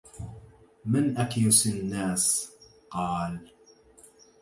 مَنْ أَكْيَسُ النَّاسِ ؟ قَالَ